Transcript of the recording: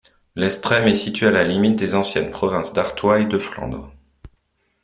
Lestrem est située à la limite des anciennes provinces d'Artois et de Flandre.